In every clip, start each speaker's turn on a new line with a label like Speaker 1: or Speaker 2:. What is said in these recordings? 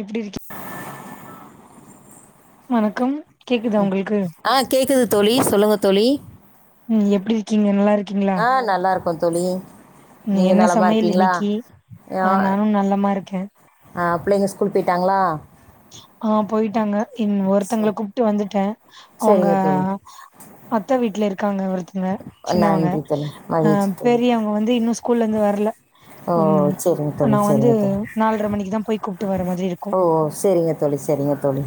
Speaker 1: எப்பிடி இருக் வணக்கம் கேக்குதா உங்களுக்கு
Speaker 2: ஆ கேட்குது தோழி சொல்லுங்க தோழி
Speaker 1: ம் எப்பிடி இருக்கீங்க நல்லா இருக்கீங்களா
Speaker 2: நல்லாருக்கோ தோழி
Speaker 1: ம்
Speaker 2: நீங்க
Speaker 1: என்ன
Speaker 2: நலமா
Speaker 1: சமையல்
Speaker 2: இருக்கீங்களா
Speaker 1: இன்னைக்கி ஆ நானு நல்லமா இருக்கே
Speaker 2: ஆ புள்ளைங்க ஸ்கூல் போயிட்டாங்களா
Speaker 1: ஆ போயிட்டாங்க இன் ஒருத்தவங்கள
Speaker 2: சரி
Speaker 1: கூப்ட்டு வந்துட்டே அவங்க
Speaker 2: சரிங்க தோழி
Speaker 1: அத்த வீட்ல இருக்காங்க ஒருத்தங்க சின்னவங்க
Speaker 2: நன்றி தோழி
Speaker 1: அ
Speaker 2: மகிழ்ச்சி தோழி
Speaker 1: பெரியவங்க வந்து இன்னு ஸ் கூல்லருந்து வரல்ல
Speaker 2: ஓ
Speaker 1: ம்
Speaker 2: சரிங்க
Speaker 1: நா
Speaker 2: தோழி
Speaker 1: வந்து
Speaker 2: சரிங்க தோழி
Speaker 1: நால்ர மணிக்கிதா போய் கூப்ட்டு வர மாரி இருக்கு
Speaker 2: சேரி சரிங்க தோழி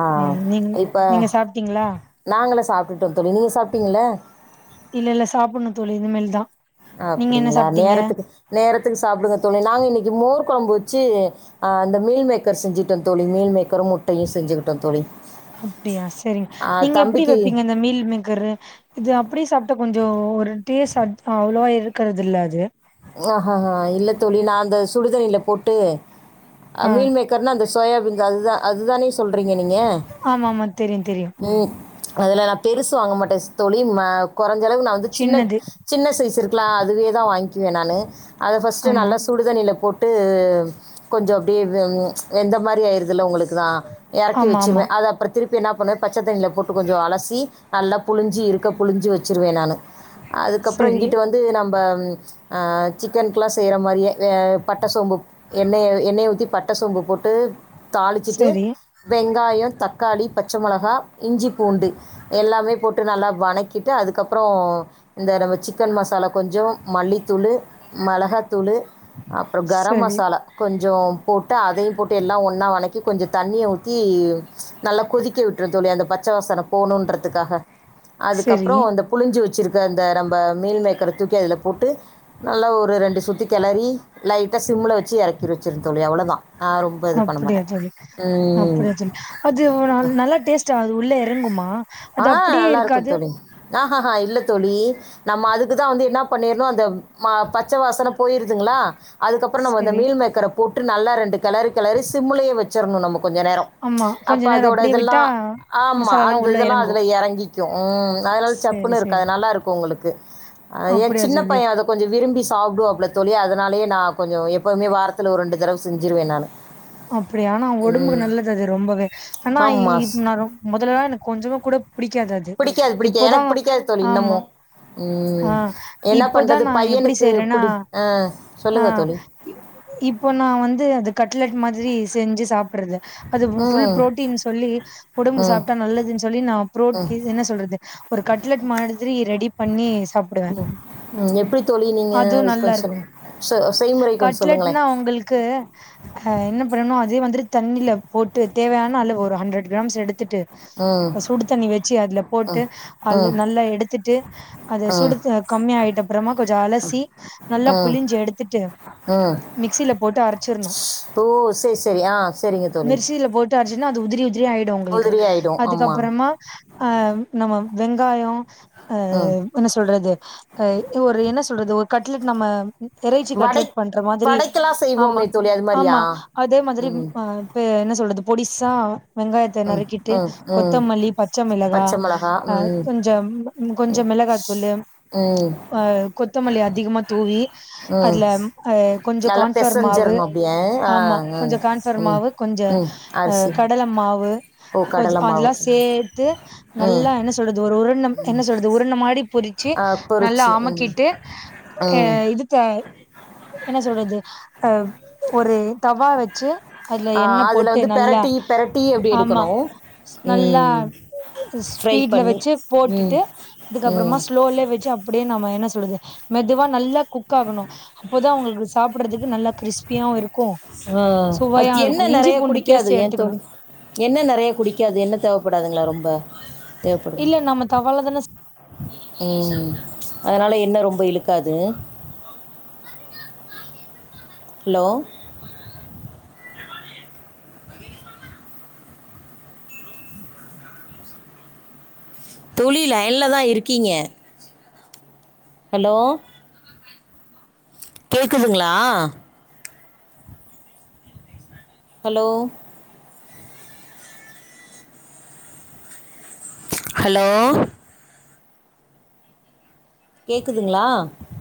Speaker 2: ஆ
Speaker 1: ம் நீங்
Speaker 2: இப்ப
Speaker 1: நீங்க சாப்ட்டீங்களா
Speaker 2: நாங்களா சாப்ட்டுட்டோ தோழி நீங்க சாப்ட்டீங்களா
Speaker 1: இல்லல்ல சாப்புட்ணு தோழி இனி மேல்தா
Speaker 2: அப்டிங்களா நேரத்துக்கு நேரத்துக்கு சாப்டுங்க தோழி நாங்க இன்னைக்கி மோர் கெழம்பு வச்சு ஆ அந்த மீல் மேக்கர் செஞ்சுட்டோ தோழி மீல் மேக்கரு முட்டையு செஞ்சுகிட்டோ தோழி
Speaker 1: அப்பிடியா செரி
Speaker 2: ஆ
Speaker 1: நீங்க எப்பிடி
Speaker 2: தம்பிக்கு
Speaker 1: வெப்பீங்க இந்த மீல் மே கரு இது அப்படியே சாப்பிட்டா கொஞ்சோ ஒரு டேஸ் அட் அவ்ளோவா இருக்காதுல்ல அது
Speaker 2: ஓஹோ இல்ல தோழி நா அந்த சுடுதண்ணில போட்டு அ
Speaker 1: ஆ
Speaker 2: மீல் மேக் கர்னா அந்த சோயாபீன் அதுதா அது தானே சொல்றீங்க நீங்க
Speaker 1: ஆமாமா தெரியு தெரியு
Speaker 2: ம் அதுல நா பெருசு வாங்க மாட்டே ஸ் தோழி ம்ம கொறைஞ்சளவு நா வந்து சின்னத்
Speaker 1: சின்னது
Speaker 2: சின்ன சைஸ்ருக்கலா அதுவே தா வாங்கிக்குவே நானு அத ஃபஸ்ட்டு
Speaker 1: ஆமா.
Speaker 2: நல்லா சுடுதண்ணியில போட்டு கொஞ்சோ அப்டியே வெ வெந்த மாரி ஆயிருதுல உங்களுக்கு தா எறக்கி
Speaker 1: ஆமாமா.
Speaker 2: வெச்சிருவே அத அப்புற திருப்பி என்ன பண்ணுவே பச்சத்தண்ணியில போட்டு கொஞ்சோ அலசி நல்லா புழிஞ்சி இருக்க புழிஞ்சி வெச்சுருவே நானு அதுக்கப்புறோ
Speaker 1: சரி
Speaker 2: இங்கட்டு வந்து நம்ப ஆ சிக்கன்க்குலா செய்ற மாரியே அ பட்ட சோம்பு எண்ணெய எண்ணெயை ஊத்தி பட்ட சோம்பு போட்டு தாளிச்சிட்டு
Speaker 1: சரி
Speaker 2: வெங்காயோ தக்காளி பச்ச மெளகா இஞ்சி பூண்டு எல்லாமே போட்டு நல்லா வணக்கிட்டு அதுக்கப்புறோ இந்தடவ சிக்கன் மசாலா கொஞ்சோ மல்லி தூளு மெளகாத்தூளு அப்புறோ கரம்
Speaker 1: சரி
Speaker 2: மசாலா கொஞ்சோ போட்டு அதையு போட்டு எல்லா ஒன்னா வணக்கி கொஞ்சோ தண்ணிய ஊத்தி நல்லா கொதிக்க விட்டறுனு தோழி அந்த பச்ச வாசனோ போணுன்றதுக்காக
Speaker 1: சரி.
Speaker 2: அதுக்கப்புறோ அந்த புளிஞ்சு வச்சிருக்க அந்த ரம்ப மீல் மேக்கர தூக்கி அதுல போட்டு நல்லா ஒரு ரெண்டு சுத்தி கெளறி லைட்டா சிம்ல வச்சு எறக்கி வச்சுருனு தோழி அவ்ளோதா ஆ ரொம்ப
Speaker 1: அப்பிடியா தோழி அப்பிடியா தோழி அது நல்லா டேஸ்டா அது உள்ள எறங்குமா அது
Speaker 2: ஆ
Speaker 1: அப்டியே
Speaker 2: நல்லா இருக்கோ
Speaker 1: இருக்காது?
Speaker 2: தோழி ஆஹஹா இல்ல தோழி நம்ம அதுக்குதா வந்து என்ன பண்ணிர்ணு அந்த மா பச்ச வாசன போயிருதுங்களா அதுக்கப்புற நம்ம அந்த
Speaker 1: சரி.
Speaker 2: மீல் மேக்கர போட்டு நல்லா ரெண்டு கெளறு கெளறி சிம்முலயே வெச்சிரணு நம்ம கொஞ்ச நேரோ
Speaker 1: ஆமா கொஞ்ச
Speaker 2: அப்ப
Speaker 1: நேரோ
Speaker 2: அதோட
Speaker 1: அப்டியே
Speaker 2: இதெல்லா
Speaker 1: விட்டா
Speaker 2: ஆமா
Speaker 1: மசாலால்லா
Speaker 2: அந்த
Speaker 1: உள்ள
Speaker 2: இதெல்லா
Speaker 1: எறங்கு.
Speaker 2: அதுல எறங்கிக்கோ ம் அதனால்
Speaker 1: சரி
Speaker 2: சப்புனு
Speaker 1: சரி.
Speaker 2: இருக்காத் நல்லாருக்கோ உங்களுக்கு எ
Speaker 1: அப்டியா
Speaker 2: சின்ன
Speaker 1: தோழி.
Speaker 2: பைய அது கொஞ்ச விரும்பி சாப்பிடுவாப்ல தோழி அதனாலயே நா கொஞ்சோ எப்பவுமே வாரத்துல ஒரு ரெண்டு தடவ செஞ்சிருவே நானு
Speaker 1: அப்படியா ஆனா ஒடம்புக்கு நல்லது அது ரொம்பவே ஆனா இ
Speaker 2: ஆமாம்
Speaker 1: நா ரொம் மொதல்லலா எனக்கு கொஞ்சமா கூட புடிக்காது அது
Speaker 2: பிடிக்காது பிடிக்காது
Speaker 1: இப்போதா
Speaker 2: எனக்கு பிடிக்காது தோழி
Speaker 1: ஆமா
Speaker 2: இன்னமும் ம்,
Speaker 1: ஆ
Speaker 2: என்ன
Speaker 1: இப்போதா
Speaker 2: பண்ணுறது
Speaker 1: நா எப்படி
Speaker 2: பையனுக்கு
Speaker 1: செய்றேனா
Speaker 2: பிடி ஆ
Speaker 1: ஆ
Speaker 2: சொல்லுங்கள் தோழி
Speaker 1: இப்ப நா வந்து அது கட்லெட் மாதிரி செஞ்சி சாப்பட்றது அது ஃபுல்
Speaker 2: ம்
Speaker 1: புரோட்டீன் சொல்லி ஒடம்புக்கு
Speaker 2: ம்
Speaker 1: சாப்ட்டா நல்லதுன் சொல்லி நா ப்ரோ இது என்ன சொல்றது ஒரு கட்லெட் மாதிரி ரெடி பண்ணி சாப்பிடுவே
Speaker 2: ம், எப்படி தோழி
Speaker 1: அதுவு
Speaker 2: நீங்கள் கொஞ்சம்
Speaker 1: நல்லாருக்
Speaker 2: சொல்லுங்கள் செ செய்முறை கொஞ்சம் சொல்லுங்களேன்
Speaker 1: கட்லெட்னா அவுங்களுக்கு ஆ என்ன பண்ணனு அதே வந்துட்டு தண்ணில போட்டு தேவையான அளவு ஒரு ஹண்ட்ரட் கிராம்ஸ் எடுத்துட்டு
Speaker 2: ம்
Speaker 1: சுடு தண்ணி வெச்சு அதுல போட்டு
Speaker 2: ம்
Speaker 1: அல்லு
Speaker 2: ம்
Speaker 1: நல்லா எடுத்துட்டு அத
Speaker 2: ம்
Speaker 1: சுடுத்து கம்மி ஆயிட்ட அப்புறமா கொஞ்ச அலசி நல்லா
Speaker 2: ம்
Speaker 1: புழிஞ்சி எடுத்துட்டு
Speaker 2: ம்
Speaker 1: மிக்சில போட்டு அரச்சிர்னு
Speaker 2: ஓ சேர் சேரி ஆ செரிங்க தோழி
Speaker 1: த ஆச்சினா அது உதிரி உதிரி ஆயிடு உங்குளுக்கு
Speaker 2: உதிரி ஆகிடும் ஆமாம்
Speaker 1: அதுக்கப்பறமா ஆம் நம்ம வெங்காயோ ஆ
Speaker 2: ம்
Speaker 1: என்ன சொல்றது க ஒரு என்ன சொல்றது ஒரு கட்லட் நம்ம இறைச்சி
Speaker 2: வடை
Speaker 1: கட்லெட் பண்ற மாதிரி
Speaker 2: வடைக்கெல்லாம்
Speaker 1: ஆமா
Speaker 2: செய்வோமே தோழி அது மாதிரியா
Speaker 1: ஆம்மா அதே மாதிரி ம் அ பெ என்ன சொல்றது பொடிசா வெங்காயத்த
Speaker 2: ம்
Speaker 1: நரிக்கிட்டு
Speaker 2: ம் ம்
Speaker 1: கொத்தமல்லி பச்ச மிளகா
Speaker 2: பச்சை
Speaker 1: ஆ
Speaker 2: ம்
Speaker 1: கொஞ்சம் ம் கொஞ்ச மெளகாத்தூளு
Speaker 2: ம்
Speaker 1: அ கொத்தமல்லி அதிகமா தூவி
Speaker 2: ம்
Speaker 1: அதுல அ கொஞ்ச
Speaker 2: நல்லா
Speaker 1: கான்ஃப்ளார் மாவு
Speaker 2: பெசஞ்சிரணு அப்டியே ஆ
Speaker 1: ஆமா கொஞ்ச
Speaker 2: ம்
Speaker 1: கான்ஃப்ளவர்
Speaker 2: ம்
Speaker 1: மாவு கொஞ்ச
Speaker 2: ம்
Speaker 1: அ
Speaker 2: அரிசி
Speaker 1: கடல மாவு
Speaker 2: ஓ
Speaker 1: கொஞ்
Speaker 2: கடல மாவு
Speaker 1: அதெல்லா சேத்து
Speaker 2: ம்
Speaker 1: நல்லா என்ன சொல்றது ஒரு உருண்ட என்ன சொல்றது உருண்டமாறி பொரி ச்சி
Speaker 2: ஆ
Speaker 1: நல்ல
Speaker 2: பொரிச்சு ம்
Speaker 1: அமக்கிட்டு அ
Speaker 2: ம்
Speaker 1: இது த என்ன சொல்றது அ ஒரு தவா வெச்சு அதுல
Speaker 2: ஆ
Speaker 1: எண்ணெ
Speaker 2: அதில
Speaker 1: போட்டு
Speaker 2: வந்து
Speaker 1: நல்லா
Speaker 2: பெரட்டி பெரட்டி எப்டி
Speaker 1: ஆமா
Speaker 2: எடுக்கணு
Speaker 1: நல்லா
Speaker 2: ம் ஃப்ரை
Speaker 1: ஸ்பீட்ல
Speaker 2: பண்ணி
Speaker 1: வெச்சு
Speaker 2: ம்
Speaker 1: போட்டுட்டு அதுக்கப்பறமா
Speaker 2: ம்
Speaker 1: ஸ்லோலே வெச்சு அ ப்படியே நம்ம என்ன சொல்றது மெதுவா நல்லா குக் ஆகணு அப்போதா ஒங்களுக்கு சாப்பிடறதுக்கு நல்லா க்ரிஸ் ப்பியாவு இருக்கு
Speaker 2: ஆ
Speaker 1: சுவையா
Speaker 2: அது
Speaker 1: இருக்கு
Speaker 2: எண்ணெ
Speaker 1: இஞ்சி
Speaker 2: நெறைய
Speaker 1: பூண்டு
Speaker 2: குடிக்காது
Speaker 1: டேஸ்ட்
Speaker 2: ஏன்
Speaker 1: எட்த்துக்கணு
Speaker 2: தோழி எண்ணெ நெறைய குடிக்காது எண்ணெ தேவைப்படாதுங்ளா ரொம்ப தேவப்படுமா
Speaker 1: இல்ல நம்ம தவால தான
Speaker 2: ம் அதனால எண்ணெ ரொம்ப இழுக்காது ஹலோ தோழி லைன்லதா இருக்கீங்க ஹலோ கேக்குதுங்ளா ஹலோ ஹலோ கேக்குதுங்ளா